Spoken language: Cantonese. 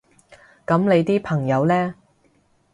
噉你啲朋友呢？